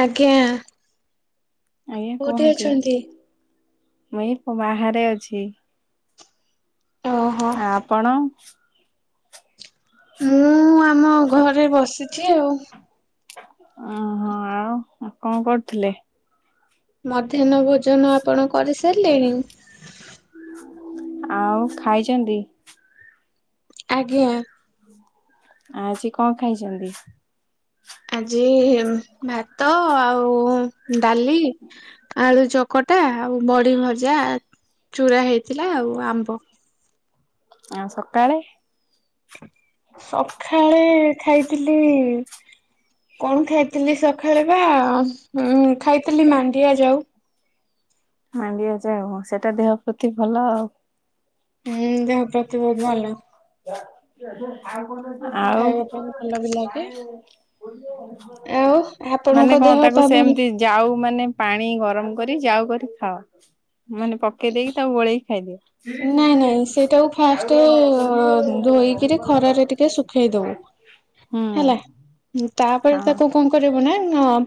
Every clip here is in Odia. ଆଜ୍ଞା। [inaudible] ଆଜ୍ଞା କୋଉଠି କୁହନ୍ତୁ। ଅଛନ୍ତି? ମୁଇ ଏଇ ବାହାରେ ଅଛି। ଓହୋ ଆ ଆପଣ। ମୁଁ ଆମ ଘରେ ବସିଛି ଆଉ। ଓହୋ ଆଉ କଣ କରୁଥିଲେ। ମଧ୍ୟାହ୍ନ ଭୋଜନ ଆପଣ କରିସାରିଲେଣି। ଆଉ ଖାଇଛନ୍ତି। ଆଜ୍ଞା [inaudible] ଆଜି କଣ ଖାଇଛନ୍ତି। ଆଜି ଭାତ ଆଉ। ଡାଲି ଆଳୁ ଚ ଖଟା ଆଉ ବଡି ଭଜା ଚୁରା ହେଇଥିଲା ଆଉ ଆମ୍ବ। ଆଉ ସକାଳେ। ସଖାଳେ ଖାଇଥିଲି। କଣ ଖାଇଥିଲି ସକାଳେ ବା ଉଁ ଖାଇଥିଲି ମାଣ୍ଡିଆ ଯାଉ। ମାଣ୍ଡିଆ ଯାଉ ହ ସେଟା ଦେହ ପ୍ରତି ଭଲ ଆଉ। ହୁଁ ଦେହ ପ୍ରତି ବହୁତ ଭଲ। ଆଉ କଣ। [unintelligible] ଖାଇବା ପାଇଁ ଭଲ ବି ଲାଗେ। ଆଉ ଆଉ ମାନେ ଆପଣଙ୍କ କଣ ଦେହ ତାକୁ ପା ଭଲ ସେମତି ଯାଉ ମାନେ ପାଣି ଗରମ। କରି ଯାଉ କରି ଖାଅ। ମାନେ ପକେଇ ଦେଇକି ତାକୁ ଗୋଳେଇ ଖାଇଦିଅ। ଛି ଛି। [unintelligible] ଫାର୍ଷ୍ଟ ଧୋଇକିରି ଖରାରେ ଟିକେ ଶୁଖେଇ ଦବୁ ହୁଁ ହେଲା ହୁ। ତାପରେ ହଁ ତାକୁ କଣ କରିବୁ ନା। ହ,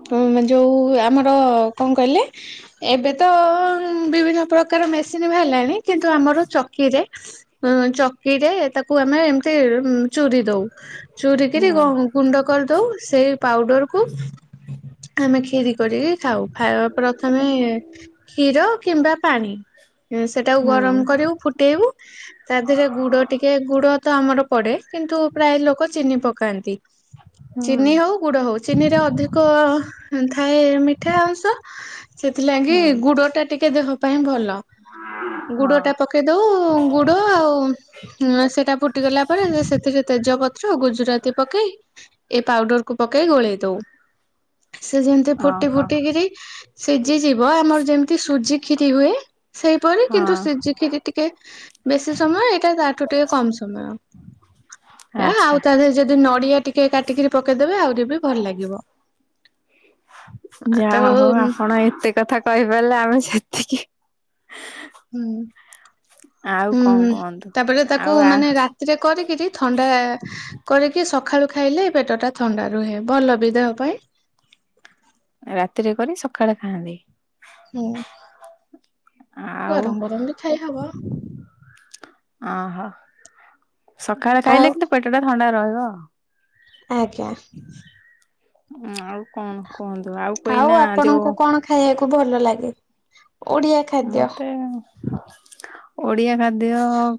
ଯୋଉ ଆମର ମୋର କଣ କହିଲେ? ଏବେ ତ ବିଭିନ୍ନ ପ୍ରକାର କାର ମେସିନ୍ ବି ହେଲାଣି? କିନ୍ତୁ, ଆମର ଚକିରେ ଚକିରେ ତାକୁ ଆମେ ଏମିତି ଚୋରି ଦଉ। ଚୁରୀ କରିରି ହୁଁ। ଗୁଣ୍ଡ କରିଦଉ। ସେଇ ପାଉଡର କୁ ଆମେ କ୍ଷିରି କରିକି। ଖାଉ ପ୍ରଥମେ କ୍ଷୀର କିମ୍ବା ପାଣି ସେଟକୁ ହୁଁ ଗରମ କରିବୁ ଫୁଟେଇବୁ। ତା ଦେହରେ ଗୁଡ ଟିକେ ଗୁଡ ତ ଆମର ପଡେ। କିନ୍ତୁ ପ୍ରାୟ ଲୋକ ଚିନି ପକାନ୍ତି। ହୁଁ ଚିନି ହଉ ଗୁଡ ହଉ ଚିନି ରେ ଅଧିକ ଥାଏ, ମିଠା ଅଂଶ ସେଥିଲାଗି। ହୁଁ ଗୁଡ ଟା ଟିକେ ଦେହ ପଁଙ୍ଗ [inaudible] ଗୁଡ ଟା ହଁ ପକେଇ ଦଉ। ଗୁଡ ଆଉ ସେଇଟା ଫୁଟିଗଲା ପରେ ସେଥିରେ ତେଜପତ୍ର, ଗୁଜୁରାତି ପକେଇ ଏ ପାଉଡରକୁୁ ପକେଇ ଗୋଳେଇ ଦଉ। ସେ ଯେମିତି ଫୁଟି ଓହୋ ଫୁଟିକିରି ସିଝି ଯିବ ଆମର ଯେମିତି ସୁଜି କଷରି ହୁଏ। ସେଇ କିନ୍ତୁ, ହଁ ସିିରି ଟିକେ ବେଶି ସମୟ ଏଇଟା ତାଠୁ ଟିକେ କମ ସମୟ। ଆଉ ଆଚ୍ଛା। ତା ଦେହ ଯଦି ନଡିଆ ଟିକେ କାଟିକି ପେଇଦବେ ଆଉ। [inaudible] ଆଉ ତ ଯାହା ହଉ, ହୁଁ ଆପଣ ଏତେ କଥା କହିପାରିଲେ ଆମେ ସେତିକି ହୁଁ ଆଉ କଣ ହୁଁ କୁହନ୍ତୁ ତାପରେ ଆଉ ତାକୁ ଆ ମାନେ ରାତିରେ କରିକିରି ଥଣ୍ଡା କରିକି ସକାଳୁ ଖାଇଲେ ପେଟଟା ଥଣ୍ଡା ରୁହେ। ଭଲ ବି ଦେହ ପାଇଁ ରାତିରେ କରନି ସକାଳେ ଖାଆନ୍ତି। ହଁ ଆଉ ଗରମ ଗରମ ବି ଖାଇ ହବ। ଅହୋ ସକାଳେ ଆଉ ଖାଇଲେ। କିନ୍ତୁ ପେଟା ଥଣ୍ଡା ରହିବ। ହ ଆଜ୍ଞା ହୁଁ ଆଉ। କଣ କୁହନ୍ତୁ ଆଉ କହିନା ଯୋଉ ଖୁବ ଭଲ ଲାଗେ। ଓଡିଆ ଖାଦ୍ୟ। ମତେ ଓଡିଆ ଖାଦ୍ୟ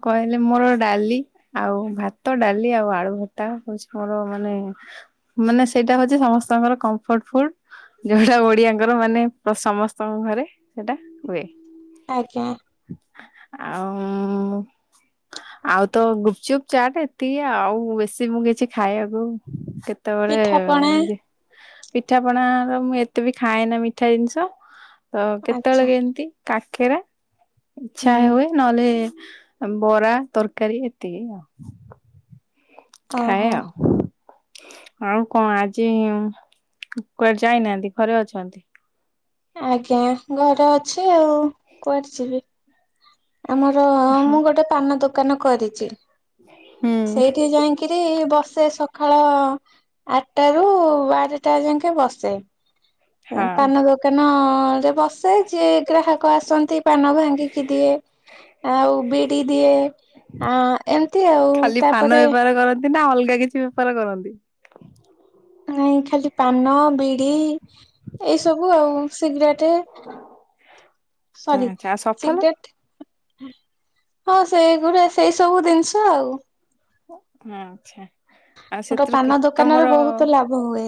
କହିଲେ। ମୋର ଡାଲି ଆଉ ଭାତ ଡାଲି ଆଉ ଆଳୁ ଭଟା ହଉଛି ମୋର ମାନେ ମାନେ ସେଇଟା ହଉଛି ସମସ୍ତଙ୍କର କମ୍ଫର୍ଟ ଫୁଲ ଯୋଉଟା ଓଡିଆଙ୍କର ମାନେ ସମସ୍ତଙ୍କ ଘରେ ସେଇଟା। ହୁଏ। ଆଜ୍ଞା। ଆଉ ଆଉ ତ ଗୁପଚୁପ ଚାଟ ଏତିକି ଆଉ ବେଶୀ ମୁଁ କିଛି ଖାଇବାକୁ ସେତେବେଳେ ପିଠାପଣା ଯେ ପିଠାପଣା ର ମୁଁ ଏତେ ବି ଖାଏ ନା ମୀଠା ଜିନିଷ। ତ ଆଚ୍ଛା କେତେବେଳେ କେମିତି କାକେରା ଇଚ୍ଛା ହୁଁ ହୁଏ ନହେଲେ ବରା ତରକାରୀ ଏତିକି ଆଉ। ଓ ଖାଏ ହୋ। ଆଉ ଆଉ କଣ ଆଜି କୁଆଡେ ଯାଇନାହାନ୍ତି ଘରେ ଅଛନ୍ତି। ଆଜ୍ଞା ଘରେ ଅଛି ଆଉ କୁଆଡେ ଯିବି? ଆମର ମୁଁ ଗୋଟେ ପାନ ଦୋକ ଦୋକାନ କରିଛି। ହୁଁ। ସେଇଠି ଯାଇଁକିରି ବସ। ସେ ସକାଳ ଆଠଟ ରୁ ବାରଟା ଯାକେ ବସେ। ହଁ ପାନ ଦୋକାନ। ରେ ବସେ ଯିଏ ଗ୍ରାହକ ଆସନ୍ତି ପାନ ଭାଙ୍ଗିକି ଦିଏ। ଆଉ ବିଡି ଦିଏ ଆ ଏମିତି ଆଉ ଖାଲି ପାନ ତାପରେ ବେପାର କରନ୍ତି ନା ଅଲଗା କିଛି ବେପାର କରନ୍ତି? ନାଇଁ ଖାଲି ପାନ ବିଡ଼ି ଏଇସବୁ ଆଉ। ସିଗରେଟ୍ ସରି ଆଚ୍ଛା ଆଉ ସଫଲ ସିଗରେଟ ହଁ ସେଇଗୁଡା ସେଇ ସବୁ ଜିନିଷ ଆଉ। ଆଛା। ଆଉ ଗୋଟେ ସେଥିରୁ ପାନ କେତେ ଦୋକାନରେ ତମର ବହୁତ ଲାଭ ହୁଏ।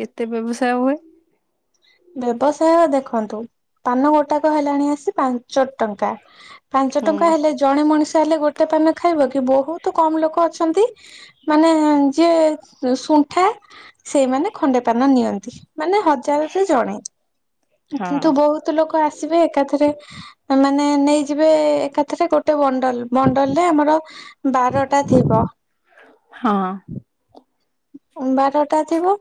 କେତେ ବ୍ୟବସାୟ ହୁଏ? ବ୍ୟବସାୟ ଦେଖନ୍ତୁ ପାନ ଗୋଟାକ ହେଲାଣି ଆସି ପାଞ୍ଚ ଟଙ୍କା। ପାଞ୍ଚ ହୁଁ। ଟଙ୍କା ହେଲେ ଜଣେ ମଣିଷ ଲେ ଗୋଟେ ପାନ ଖାଇବ କି ବହୁତ କମ ଲୋକ ଅଛନ୍ତି ମାନେ ଯିଏ ଶୁଣ୍ଠା ସେମାନେ ଖଣ୍ଡେ ପାନ ନିଅନ୍ତି ମାନ ହ ଜଣେ ହଁ। କିନ୍ତୁ ବହୁତ ଲୋକ ଆସିବେ ଏକାଥରେ। ମାନେ ନେଇଯିବେ ଏକାଥରେ ଗୋଟେ ବ ମଣ୍ଡଲରେ ଆମର ବାରଟା ଥିବ। ହଁ ବାରଟା ଥିବ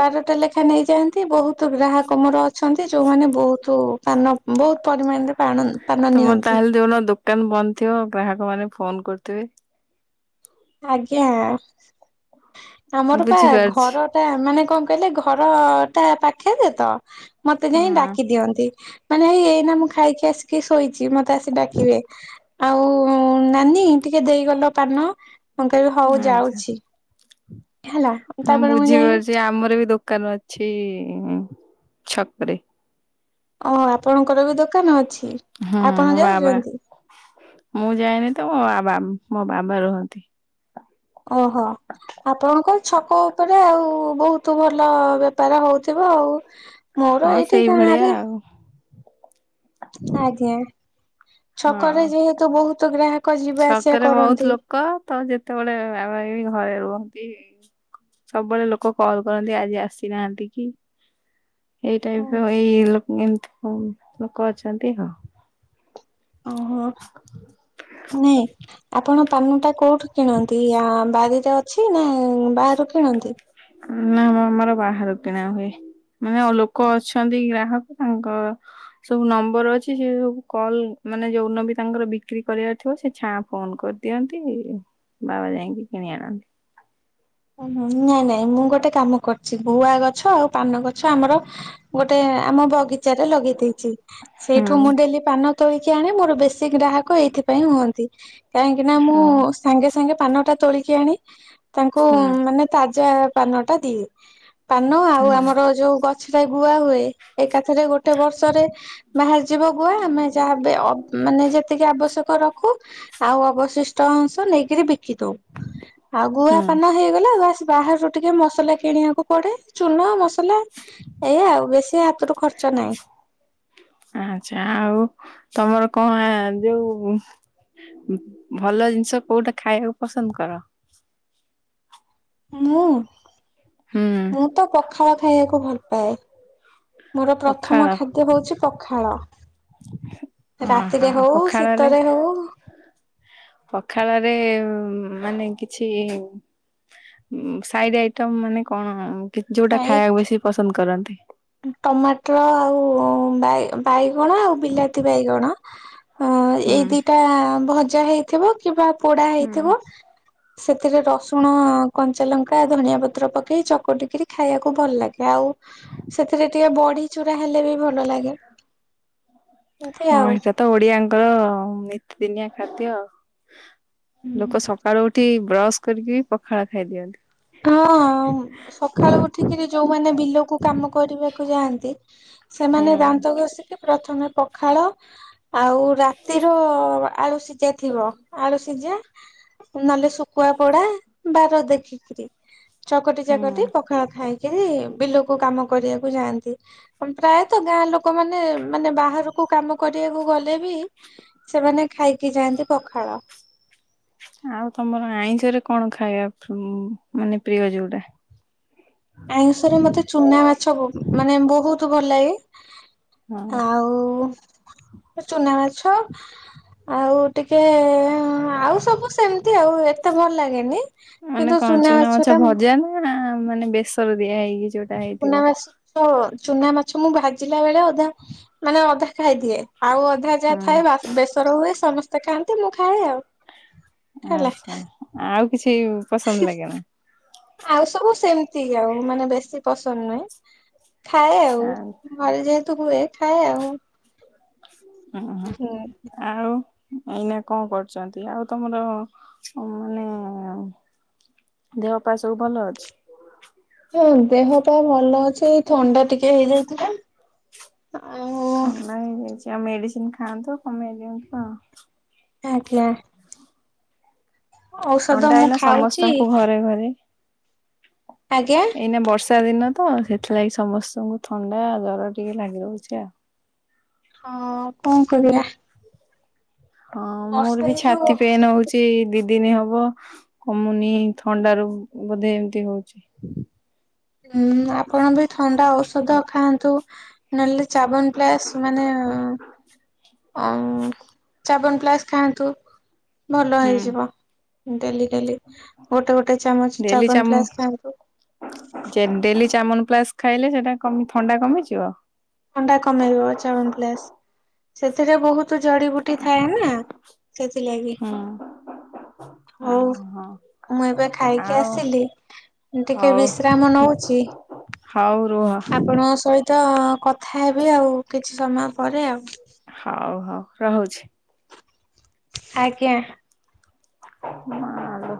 ବାରଟା ଲେଖା ନେଇଯାଆନ୍ତି ବହୁତ। ଗ୍ରାହକ ମୋର ଅଛନ୍ତି ଯୋଉମାନେ ବହୁତ ପାନ ବହୁତ। ପରିମାଣରେ ପାଣ ପାନ ତମର ନିଅନ୍ତି। ତାହେଲେ ଯୋଉ ଦିନ ଦୋକାନ ବନ୍ଦ ଥିବ ଗ୍ରାହକ ମାନେ ଫୋନ କରଥିବେ। ଆଜ୍ଞା। ଆମର ପା ବୁଝିପାରୁଛି ଘର ଟା ମାନେ କଣ? କହିଲେ ଘର ଟା ପାଖେରେ ତ ମତେ ଯାଇ ଡାକି ହୁଁ ଦିଅନ୍ତି। ମାନେ ଏଇ ଏଇ ନା ମୁଁ ଖାଇକି ଆସିକି ଶୋଇ କି ମତେ ଆସି ଡାକିବେ ଆଉ ନାନୀ ଟିକେ ଦେଇଗଲ ପାନ ମୁଁ କହିବି ହଉ ଆଚ୍ଛା। ଯାଉଛି। ହେଲା ହଁ ତାପରେ ମୁ ଯାଇ ବୁଝିପାରୁଛି ଆମର ବି ଦୋକାନ ଅଛି ଛକ ରେ। ଓ ଆପଣଙ୍କର ବି ଦୋକା ହୁଁ ବାବା ମୁଁ ଯାଇନି ତ ମୋ ବାବା ମୋ ବାବା ରୁହନ୍ତି। ଓହୋ ଆପଣଙ୍କ ଛକ ଉପରେ ଆଉ ବହୁତ ଭଲ ବେପାର ହଉଥିବ ଆଉ। ମୋର ହଁ ଏଇଠି ଗାଁ ସେଇଭଳିଆ ରେ ଆଉ ଆଜ୍ଞା। ହଁ ଛକରେ ଯେହେତୁ ବହୁତ ଗ୍ରାହକ ଯିବା ଆସିବା ଛକରେ ବହୁତ କରନ୍ତି। ଲୋକ ତ ଯେତେବେଳେ ବାବା ଏଇ ଘରେ ରୁହନ୍ତି। ସବୁବେଳେ ଲୋକ କଲ କରନ୍ତି ଆଜି ଆସିନାହାନ୍ତି କି? ଏଇ ଟାଇପ ଏଇ ଲୋକଙ୍କୁ ଏମତି ହଉ ଲୋକ ଅଛନ୍ତି ହଁ। ଓହୋ ନାଇଁ ଆପଣ ପନୁ ଟା କୁ କିଣନ୍ତି ଆ ବାରିର ଅଛି ନା ବାହାରୁ କିଣନ୍ତି? ନା ଆମର ବାହାରୁ କିଣା ହୁଏ। ମାନେ ଲୋକ ଅଛନ୍ତି ଗ୍ରାହକ ତାଙ୍କ ସବୁ ନମ୍ବର ଅଛି ସେ ସବୁ କଲ ମାନେ ଯୋଉ ନବୀ ତାଙ୍କର ବିକ୍ରି କରିବାର ଥିବ ସେ ଛାଆଁ ଫୋନ କରିଦିଅନ୍ତି, ବାବା ଯାଇକି କିଣି ଆଣନ୍ତି। ଓହୋ ନାଇଁ ନାଇଁ ମୁଁ ଗୋଟେ କାମ କରୁଛି। ଭୁଆ ଗଛ ଆଉ ପାନ ଗଛ ଆମର ଗୋଟେ ଆମ ବଗିଚା ରେ ଲଗେଇ ଦେଇ [inaudible] ସେଇଠୁ ହୁଁ ମୁଁ ଡେଲି ପାନ ତୋଳକି ଆଣେ ମୋର ବେଶୀ ଗ୍ରାହକ ଲୋକ ଏଇଥିପାଇଁ ହୁଅନ୍ତି, କାହିଁକିନା ମୁଁ ହଁ ସାଙ୍ଗେ ସାଙ୍ଗେ ପାନଟା ତୋଳିକି ଆଣି କ ହୁଁ ମାନେ ତା ଯ ପାନ ଟା ଦିଏ। ପାନ ଆଉ ହଁ ଆମର ଯୋଉ ଗଛ ସେଟା ବୁଆ ହୁଏ। ଏକାଥରେ ଗୋଟେ ବର୍ଷରେ ବାହାରିଯିବ ଗୁଆ। ଆମେ ଯାହାବେ ମାନେ ଯେତିକି ଆବଶ୍ୟକ ରଖୁ। ଆଉ ଅବଶିଷ୍ଟ ଅଂଶ ନେଇକରି ବ ଦେ ଆଗୁଆ ହୁଁ ହେଇଗଲା ବା ଆ ବାହହାର ଟିକେ ମସଲା କିଣିବାକୁ ପଡେ ଚୁନା ମସଲା। ଏ ଆଉ ବେଶୀ ହାତରୁ ଖର୍ଚ୍ଚ ନହିଁ। ଆଚ୍ଛା ଆଉ ତମର କଣ ଯୋଉ ଭଲ ଜିନିଷ କୋଉଟା ଖାଇବାକୁ ପସନ୍ଦ କର? ହଁ ହୁଁ ମୁଁ ତ ପଖାଳ ଖାଇବାକୁ ଭଲ ପା ମୋର ପଖାଳ ପ୍ରଥମ ଖାଦ୍ୟ ହଉଛି ପଖାଳ। ଅହ ରାତିରେ ହଉ ପଖାଳରେ ଶୀତରେ ହଉ [inaudible] ପଖାଳରେ ମାନେ କିଛି ସାଇଡ ଆଇଟମ ମାନେ କଣ? ଯୋଉଟା ସେଇ ଖାଇବାକୁ ବେଶୀ ପସନ୍ଦ କରନ୍ତି। ହଁ ଟମାଟର ଆଉ ବାଇଗଣ ଆଉ ବିଲାତି ବାଇଗଣ ଅ ଏଇ ହୁଁ। ଦିଇଟା ବହୁତ ପୂଜା ହେଇଥିବ କିବା ପୋଡା ହୁଁ ହେଇଥିବ ସେଥିରେ ରସୁଣ କଞ୍ଚା ଲଙ୍କା ଧନିଆ ପତ୍ର ପକେଇ। ଚକଟିକିରି ଖାଇବାକୁ ଭଲ ଲାଗେ। ଆଉ ସେଥିରେ ଟିକେ ବଢି ଚୁରା ହେଲେ ବି ଲାଗେ। ଏମିତି ହଁ ଆଉ ଏଇଟା ତ ଓଡିଆଙ୍କର ନିତିଦିନିଆ ଖାଦ୍ୟ। ଲୋକ ସକାଳୁ ଉଠି ବ୍ରଶ କରିକି ବି ପଖାଳ ଖାଇ ଦିଅନ୍ତି। ହଁ, ସକାଳୁ ଉଠିକିରି ଯୋଉମାନେ ବିଲକୁ କାମ କରିବାକୁ ଯାଆନ୍ତି। ସେମାନେ ହୁଁ। ଦାନ୍ତ ଘଷିକି ପ୍ରଥମେ ପଖାଳ ଆଉ ରାତିର ଆଳୁ ସିଝା ଥିବ ଆଳୁ ସିଝା। ନହେଲେ ଶୁଖୁଆ ପଡା ବାର। ଦେଖିକରି। ଚକଟି ହୁଁ ଚକଟି ପାଖଳ ଖାଏ। କେହି ବିଲକୁ କାମ କରିବାକୁ ଯାଆନ୍ତି ପ୍ରାୟତଃ ଗାଁ ଲୋକ ଲୋକ ମାନ ମାନେ ବାହାରକୁ କାମ। କରିବାକୁ ଗଲେ ବି ସେମାନେ। ଖାଇକି ଯାଆନ୍ତି ପଖାଳ। ଆଉ ତମର ଆଇଁଷରେ କଣ ଖାଇବା ମାନେ ପ୍ରିୟ ଯୋଉଟା। ଆଇଁଷରେ ମତେ ଚୁନା ମାଛ ମାନେ ବହୁତ ଭଲ ଲାଗେ। ହଁ। ଆଉ। ଚୁନା ମାଛ। ଆଉ ଟିକେ ଆଉ ସବୁ ସେମତି ଆଉ ଏତେ ଭଲ ଲାଗେନି ମାନେ କିନ୍ତୁ କଣ ଚୁନା ମାଛ ଟା। ଭଜା ନା ମାନେ [unintelligible] ସୁନା ଆସୁଛ ତୋର। ଚୁନା ମାଛ ମୁଁ ଭାଜିଲା ବେଳେ ଅଧା ମାନେ ଅଧା। ଖାଇଦିଏ ଆଉ ଅଧା ହୁଁ। ଯାହା ଥାଏ ବାସ ବେସର ହୁଏ ସମସ୍ତେ ତ କାନ୍ତିେ ମୁଁ ଖାଏ ଆଉ। ହେଲା ଆଚଛା ଆଉ କିଛି ପସନ୍ଦ ଲାଗେ ନା। ଆଉ ସବୁ ସେମିତି ଆଉ। ମୁଁ ମାନେ ବେଶୀ ପସନ୍ଦ ନୁହେଁ। ଖାଏ ଆଉ ଘର ଯେତ ହୁଏ। ଖାଏ ଆଉ। ଓ ହୋ ହୁଁ। ଆଉ। ଏଇନା କଣ କରୁଛନ୍ତି ଆଉ ତମର ମାନେ ଦେହ ପାାୟ ସବୁ ଭଲ ଅଛି। ହଁ ଦେହ ପା ଭଲ ଅଛି ଏଇ ଥଣ୍ଡା ଟିକେ ହେଇଯାଇଥିଲା। ଆଉ ଖାଉନା ହେଇଯାଇଛି। ଯ ମେଡିସିନ ଖାଆନ୍ତୁ କମେଇ ଦିଅନ୍ତୁ ଆଉ। ଆଜ୍ଞା। ଔଷଧ ଥଣ୍ଡା ମୁଁ ଏଇନା ଖାଉଛି ସମସ୍ତଙ୍କୁ ଘରେ ଘରେ। ଆଜ୍ଞା [inaudible] ଏଇନା ବର୍ଷା ଦିନ। ତ ସେଥିଲାଗି ସମସ୍ତଙ୍କୁ ଥଣ୍ଡା ଜର ଟିକେ ଲାଗି ରହୁଛି ଆଉ। ହଁ କଣ କରିବା। ହଁ ମୋର ବର୍ଷା ବି ଏଇ ଯୋଉ ଛାତି ପେନ ହଉଛି ଦି ଦି ଦିନ ହବ କମୁନି ଥଣ୍ଡା ରୁ ବୋଧେ ଏମିତି ହଉଛି। [inaudible] ହୁଁ ଆପଣ ବି ଥଣ୍ଡା ଔଷଧ ଖାଆନ୍ତୁ। ନହେଲେ ଚାବନ ପ୍ଲାସ୍ ମାନେ ହ ଚାବନ୍ ପ୍ଲାସ୍ ଖାଆନ୍ତୁ। ଭଲ ହୁଁ। ହେଇଯିବ। ଡେଲି-' ଡେଲି ଗୋଟେ ଗୋଟେ ଚାମଚା ଡେଲି ଚାବନ ଚାମୁ ପ୍ଲାଶ ଖାଆନ୍ତୁ। [inaudible] ପ୍ଲସ୍ ଖାଇଲେ ସେଟା କମି ଥଣ୍ଡା କମିଯିବ। ଥଣ୍ଡା କମେଇବ ଚାବନ୍ ପ୍ଲାସ। ସେଥିରେ ବହୁତ ଜଡିିବୁଟି ଥାଏ ନା ସେଥିଲାଗି। ହୁଁ [inaudible] ହଁ ହଉ ହଁ। ମୁଁ ଏବେ ଖାଇକି ଆଉ ଆସିଲି ଟିକେ ହଉ ବିଶ୍ରାମ ନଉଛି। ହଉ ରୁହ ଆପଣଙ୍କ ସହିତ ତ କ କଥା ହେବି ଆଉ କି କିଛି ସମୟ ପରେ ଆଉ। ହଉ ହଉ ରହୁଛି। ଆଜ୍ଞା। ମାଲୋ।